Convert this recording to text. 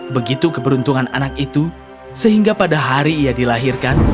begitu keberuntungan anak itu sehingga pada hari ia dilahirkan